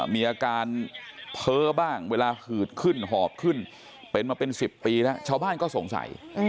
มีอาการเพ้อบ้างเวลาหืดขึ้นหอบขึ้นเป็นมาเป็น๑๐ปีแล้วชาวบ้านก็สงสัย